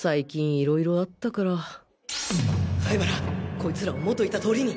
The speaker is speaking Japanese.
こいつらを元いた通りに！